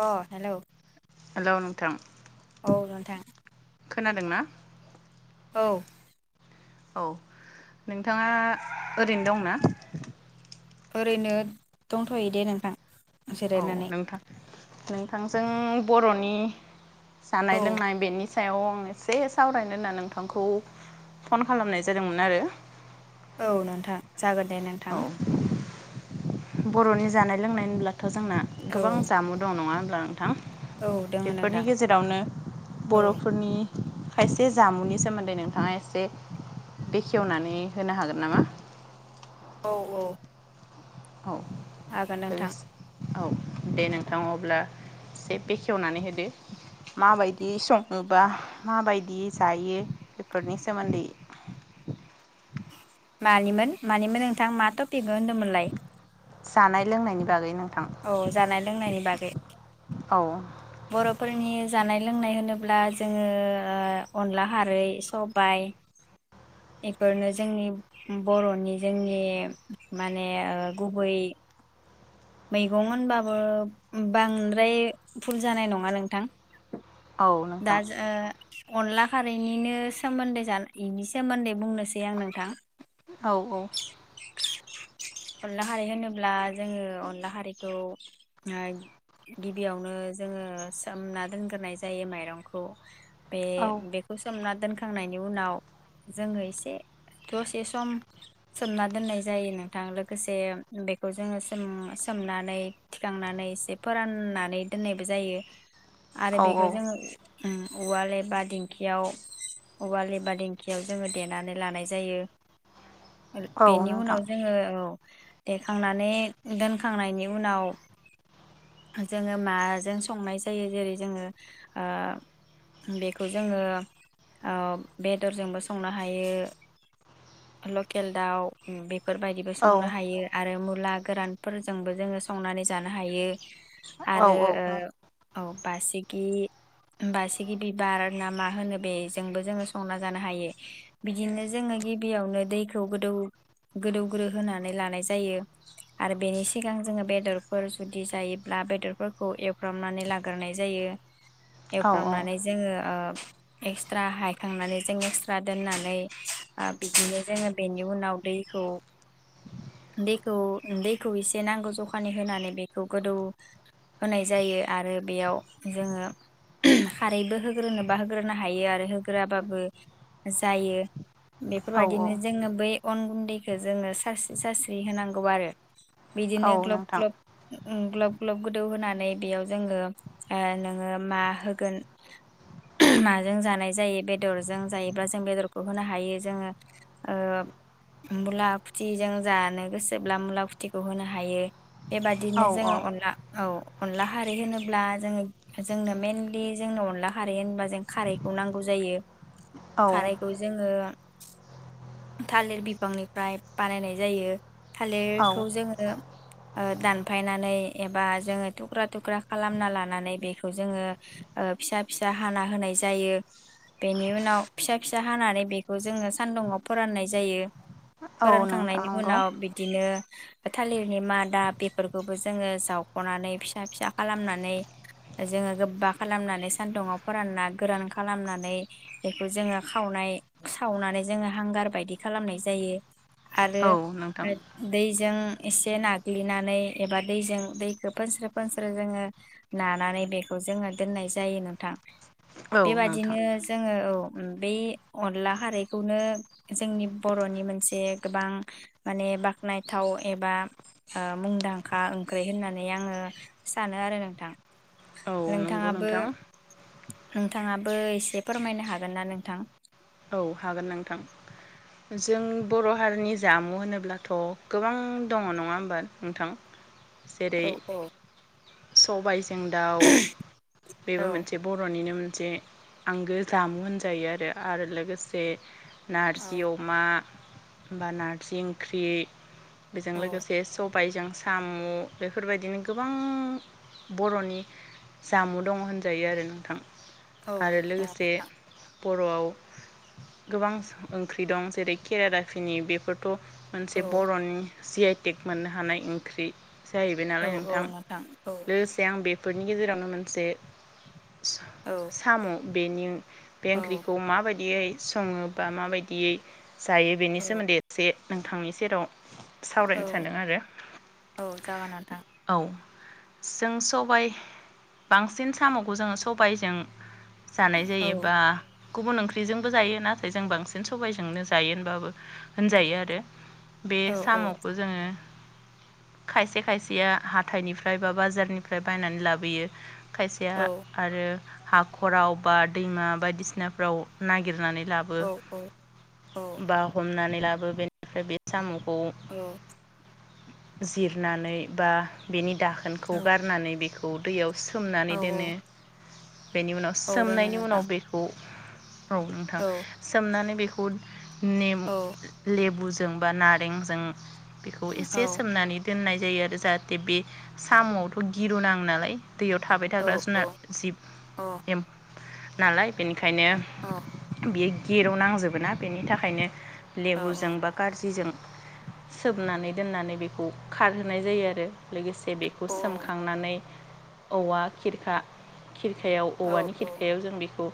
अ hello hello नोंथां औ नोंथां खोनादोंना? औ औ नोंथाङा ओरैनो दंना? ओरैनो दंथ'यो दे नोंथां। औ जिरायनानै नोंथां। नोंथांजों बर'नि औ जानाय लोंनाय बेनि सायाव आं एसे सावरायनो होनना नोंथांखौ फन खालामनाय जादोंमोन आरो। औ नोंथां। जागोन दे नोंथां। औ बर'नि जानाय लोंनाय होनब्ला थ' जोंना औ गोबां जामु दं नङा [unintelligible] थां औ दोङो बेफोरनि नोंथां गेजेरावनो औ बर'फोरनि खायसे जामुनि सोमोन्दै नोंथाङा एसे बेखेवनानै होनो हागोन नामा? औ औ। औ हागोन नोंथां लोगोस औ दे नोंथाङा अब्ला एसे बेखेवनानै होदो माबायदि सङोबा माबायदि जायो बेफोरनि सोमोन्दै। मानिमोन मानिमोन नोंथां मा थफिख होन्दोंमोनलाय? जानाय लोंनायनि बागै नों औ जानाय लोंनायनि बाद बे औ। बर'फोरनि जानाय लोंनाय होनोब्ला जोङो ओ अनला हारै सबाय एफोरनो जोंनि बर'नि जोंनि माने ओ गुबै मैगं होनबाबो बांद्राय फुल जानाय नङा नोंथां। औ नोंथां दाज ओ अनला खारैनिनो सोमोन्दै जाना इनि सोमोन्दै बुंनो नोसै आं नोंथां। औ औ अनला खारै होनोब्ला जोङो अनला खारैखौ गिबियावनो जोङो सोमना दोनग्रोनाय जायो माइरंखौ। बे औ बेखौ सोमना दोनखो थांनायनि उनाव जोङो एसे दसे सम सोमना दोननाय जायो नों थां लोगोसे बेखौ जोङो सोम-सोमनानै थिखांनानै एसे फोराननानै दोननायबो जायो। आरो औ औ बेखौ जोङो उम उवाल एबा दिंखियाव उवाल एबा दिंखियाव जोङो देनानै लानाय जायो। [unintelligible] औ बेनि नोंथां उनाव जों ओ औ देखांनानै दोनखांनायनि उनाव जोङो माजों संनाय जायो जेरै जोङो ओ बेखौ जोङो ओ बेदर जोंबो संनो हायो। लकेल दाव बेद बेफोर बायदिबो औ संनो हायो आरो मुला गोरानफोरजोंबो जोङो संनानै जानो हायो। औ आरो ओ औ बासिगि बासि बिबार ना मा होनो बेजोंबो जोङो संना जानो हायो। बिदिनो जोङो गिबियावनो दैखौ गोदौ गोदौग्रोहोनानै लानाय जायो आरो बेनि सिगां जोङो बेदरफोर जुदि जायोब्ला बेदरफोरखौ एवफ्रामनानै लाग्रोनाय जायो। औ एवफ्रामनानै जोङो ओ एक्सट्रा हायखांनानै जों एक्सट्रा दोननानै बिदिनो जोङो बेनि उनाव दैखौ दैखौ दैखौ एसे नांगौ जखानि होनानै बेखौ गोदौ होनाय जायो आरो बेयाव जोङो खारैबो होग्रोनोबा होग्रोनो हायो आरो होग्रोआबाबो जायो। औ बेफोरबायदिनो जोङो बै अन गुन्दैखौ जोङो सारस्रि सारस्रि होनांगौ आरो। औ बिदिनो ग्ल्ब नोंथां ग्ल्ब उम ग्लब ग्लब गोदौहोनानै बेयाव जोङो ओ जोङो मा होगोन माजों जानाय जायो बेदरजों जायोब्ला जों बेदरखौ होनो हायो जोङो ओ उम मुला फुथिजों जानो गोसोब्ला मुला फुथिखौ होनो हायो। औ बेबादिनो जोङो औ अनला औ अनला खारै होनोब्ला जोङो जोंनो मेइनलि जोंनो अनला खारै होनोबा जों खारैखौ नांगौ जायो। औ खारैखौ जोङो थालिर बिब बिफांनिफ्राय बानायनाय जायो। औ थालेरखौ जोङो ओ दानफायनानै एबा जोङो थुख्रा थुख्रा खालामना लानानै बेखौ जोङो औ नोंथां फोरानखांनायनि नंगौ उनाव बिदिनो थालिरनि मादा बेफोरखौबो जोङो जावख'नानै फिसा फिसा खालामनानै जोङो गोब्बा खालामनानै सान्दुुङाव फोरानना गोरान खालामनानै बेखौ जोङो खावनाय सावनानै जोङो हांगार बायदि खालामनाय जायो। आरो औ नोंथां दैजों एसे नाग्लिनानै एबा दैजों दैखो फोनस्रो फोनस्रो जोङो नानानै बेखौ जोङो दोननाय जायो नोंथां। औ नोंथां बेबादिनो जोङो औ बे अनला खारैखौनो जोंनि बर'नि मोनसे गोबां माने बाख्नायथाव एबा मुंदांखा ओंख्रि होननानै आङो सानो आरो नोंथां। औ नंगौ नोंथाङाबो नोंथां नोंथाङाबो एसे फोरमायनो हागोन ना नोंथां? औ हागोन नोंथां जों बर' हारिनि जामु होनोब्लाथ' गोबां दङ नङा होमबा नोंथां? औ औ सबायज जों दाउ औ बेबो मोनसे बर'निनो जे आंगो जामु होनजायो आरो आरो लोगोसे जे नारजि अमा होमबा नारजि ओंख्रि बेजों औ लोगोसे सबायजों साम' बेफोरबायदिनो गोबां बर'नि जामु दङ होनजायो आरो नोंथां। औ आरो नंगौ लोगोसे नोंथां बर'आव। गोबां ओंख्रि दं जेरै केरादाफिनि बेफोर थ' औ मोनसे बर'नि जि आइटेक मोननो हानाय ओंख्रि। जाहैबाय औ नालाय औ नोंथां औ लोगोसे आं बे बेनि गेजेरावनो मोनसे सा औ साम बेनि बे औ ओंख्रिखौ माबादियै सङोबा माबायदियै जायो बेनि औ सोमोन्दै एदसे नोंथांनि सेराव औ सावरायनो सानदों आरो औ जागोन नोंथां औ। जों सबाय बांसिन सामखौ जोङो सबायजों जानाय औ जायोबा गुबुन ओंख्रिजों बो जायो नाथाय जों बांसिन सबायजोंनो जायो होनबाबो होनजायो आरो बे औ औ साम'खौ जोङो खायसे खायसेया हाथाइनिफ्राय बा बाजारनिफ्राय बायनानै लाबोयो। खायसेया आरो हाखराव बा दैमा बायदिसिनाफ्राव नागिरनानै। ब्लाबो औ औ बा हमनानै लाबो बेनिफ्राय बे साम'। औ जिरनानै बा बेनि दाखोनखौ औ गारनानै बेखौ उदैयाव औ सोमनानै दोनो। बेनि उनाव औ रोङो सोमनायनि नोंथां उनाव बेखौ औ नोंथां सोमनानै बेख उद नेमु औ लेबुजों जोंबा नारेंजों बेखौ औ एसे सोमनानै दोननाय, जायो आरो जाहाथे बे साम'आवथ' गिरुनाङो नालाय, दैयाव थाबाय औ थाग्रा औ जुनार जिब अ एमफ नालाय बेनिखायनो औ औ बियो गेरुनांजोबो ना बेनि थाखायनो, औ लेबुजों बा खारजिजों सोमनानै दोननानै बेखौ खारहोनाय जायो आरो लोगोसे ए बेखौ औ सोमखांनानै, औवा, खिरखा, खिरखायाव औ औवानि खिरखायाव जों बेखौ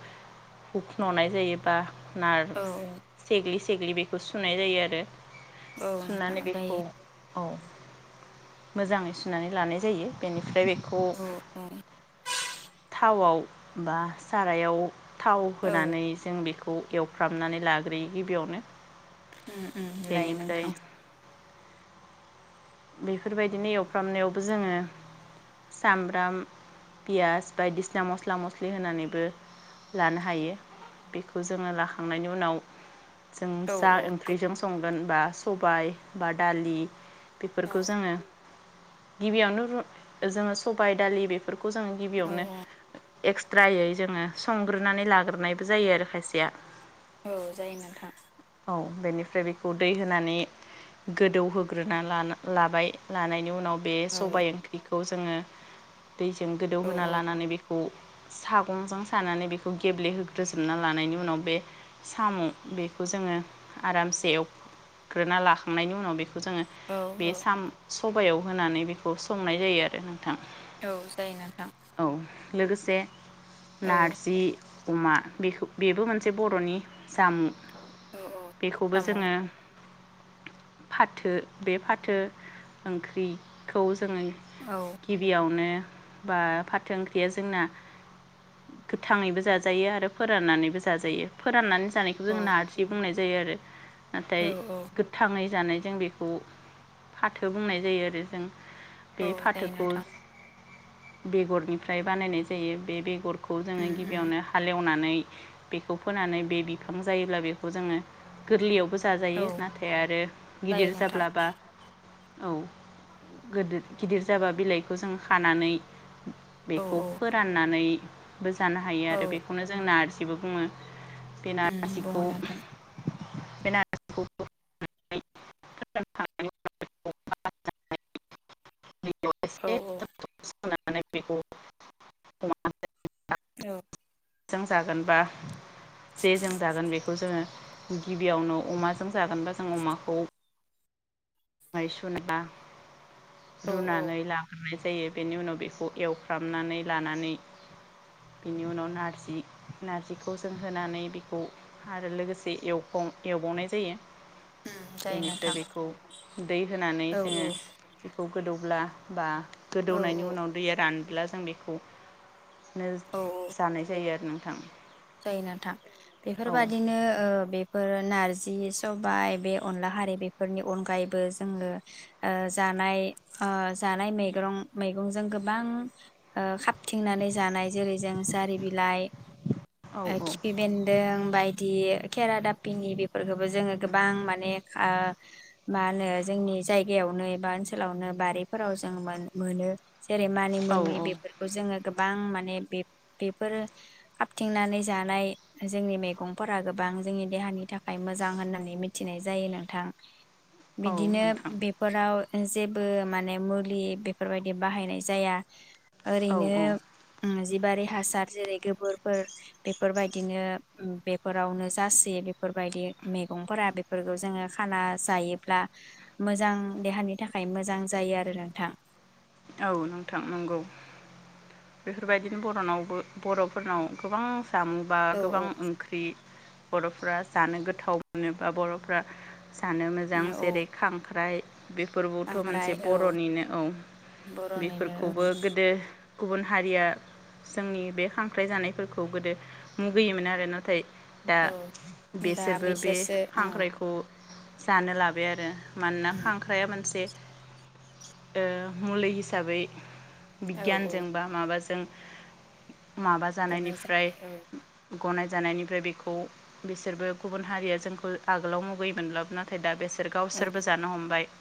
बुखुन'नाय जायो बा, नार औ सेग्लि थेग्लि बेखौ सुनाय जायो आरो सुनानै नोंथां बेखौ जायो औ मोजाङै सुनानै लानाय जायो बेनिफ्राय बे बेखौ औ औ थावाव बा सारायाव थाव औ होनानै जों बेखौ बेखौ एवफ्रामनानै लाग्रोयो गिबियावनो। उम उम लायो बेनिफ्राय नोंथां। बेफोरबायदिनो एवफ्रामनायावबो जोङो सामब्राम पियास बायदिसिना मस्ला मस्लि होनानैबो लानो हायो। बेखौ जोङो लाखांनायनि उनाव, जों औ जा औ ओंख्रिजों सं होनबा सबाय बा दालि औ बेफोरखौ जोङो गिबियावनो रु- जोङो सबाय दालि बेफोरखौ बेखौजों औ गिबियावनो एक्सट्रायै जोङो संग्रोनानै लाग्रोनाय जायो आरो खायसेया। औ जायो नोंथां। औ बेनिफ्राय बेखौ दै होनानै गोदौहोग्रोना ला लाबाय लानायनि उनाव, बे औ सबाय ओंख्रि खौ जोङो दैजों औ गोदौहोना लानानै बे खौ सागंजों सानानै बेखौ गेब्लेहोग्रो जोबना लानायनि उनाव बे साम' बेखौ जोङो आरामसे एवग्रोना लाखांनायनि उनाव बेखौ जोङो औ बे साम सबायाव होनानै बेखौ संनाय जायो आरो ना औ जायो नोंथां लोगोसे औ नारजि अमा बेखौ बेबो मोनसे बर'नि जामुं औ बेखौबो जामुं जोङो फाथो बे फाथो ओंख्रिखौ जोङो औ गिबियावनो बा फाथो ओंख्रिया जोंना गोथाङैबो जाजायो आरो फोराननानैबो जाजायो फोराननानै जानायखौ औ जों नारजि बुंनाय जायो आरो नाथाय औ औ गोथाङै जानाय जों बेखौ फाथो बुंनाय जायो आरो जों बे औ जायो फाथोखौ नोंथां बेगरनिफ्राय बानायनाय जायो बे बेगर खौ जोङो उम उम गिबियावनो हालेवना नानै बेखौ फोनानै बे बिफां जायोब्ला बेखौ जोंङो गोरलैयावबो जा औ जाजायो नाथाय आरो जायो गिदिर नोंथां जाब्लाबा औ गोदोर गिदिर जाबा बिलाइखौ जों खानानै औ बेखौ औ फोराननानै बो जानो हायो औ आरो बे जों नारजिबो बुङो बे उम बुङो नारजिखौ नोंथां बे ना [inaudible] औ औ [inaudible] औ जों जागोनबा जेजों जागोन बेखौ जोङो गिबियावनो अमाजों जागोनबा जों अमाखौ माइ [inaudible] औ औ रुनानै लाग्रोनाय जायो बेनि उनाव बेखौ एवफ्रामनानै लानानै बेनि उनाव नारजि नारजिखौ जों होनानै बेखौ आरो लोगोसे एवखं एवबावनाय जायो उम जायो बेनिफ्राय नोंथां बेखौ दै होनानै औ जोङो खौ गोदौब्ला बा औ गोदौनायनि उनाव दैया रान ब्ला जों बेखौ नो जानाय जायो आरो न थां जायनोथा बेफोरबायदिनो ओ बे फोर नारजिनि सबाय बे अनला हारि बेफोरनि अनगायैबो जोंङो ओ जानाय ओ जानाय मैग्रं-मैगंजों गोबां ओ खाबथिंनानै जानाय जेरै जों जारि बिलाइ औ ओ खिफि बेन्दों बायदि खेरा दापिनी बेफोरखोबो जोंङो गोबां माने ओ मा होनो जोंनि जायगायावनो एबा ओनसोलावनो बारिफोराव जों मोन-मोनो जेरै औ मानिमुनि औ बेफोरखौ जोंङो गोबां मान माने बे-बेफोरो खाबथिंनानै जानाय जोंनि मैगंफोरा गोबां जोंनि देहानि थाखाय मोजां होननानै मिथिनाय जायो नोंथां औ बिदिनो नोंथां बेफोराव जे बो माने मुलि बेफोरबायदि बाहायनाय जाया औ ओरैनो औ ओ जिबारि हासार जेरै गोबोर फोर बेफोरबायदिनो बेफोरावनो जासियो बेफोरबायदि मैगंफोरा बेफोरखौ जोंङो खाना जायोब्ला मोजां देहानि थाखाय मोजां जायो आरो नोंथां औ नोंथां नंगौ बेफोरबायदिनो बर'नावबो बर'फोरनाव गोबां औ गोबां ओंख्रि बरफ्रा जानो गोथाव मोनोबा बरफ्रा जानो मोजां औ औ जेरै खांख्राइ बेफोरबोथ मोनसे खांख्राइ औ बरनिनो औ बर'निनो बेफोरखौबो गोदो गुबुन हारिया जोंनि बे खांख्राइ जानायफोरखौ गोदो मुगैयोमोन आरो नाथाय दा औ दा बेसोरबो बे बिसोरसो औ खांख्रायखौ जानो लाबाय आरो मानोना खांख्राइाया मोनसे ओम मुलि हिसाबै औ औ बिगियानजों बा माबाजों माबा गनाय जानायनिफ्राय जानाय औ गनाय जानायनिफ्राय बेखौ बिसोरबो गुबुन हारिया जोंखौ आगोलाव मुगैयोमोनब्लाबो नाथाय दा बेसोर बिसोर औ गावसोरबो जानो हमबाय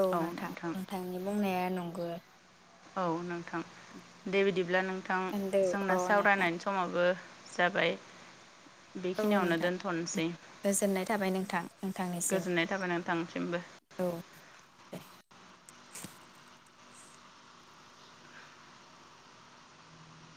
औ नोंथां नोंथांनि बुंनाया नंगौ। औ नोंथां दे बिदि बिदिब्ला नोंथां होनदो औ जोंना नोंथां सावरायनायनि समावबो जाबाय औ बेखिनियावनो नोंथां दोनथ'सै गोजोननाय थाबाय नोंथां [inaudible] नोंथांनिसिम गोजोननाय थाबाय नों थांसिमबो। औ दे